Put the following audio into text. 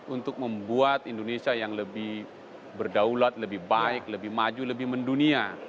untuk membuat indonesia yang lebih berdaulat lebih baik lebih maju lebih mendunia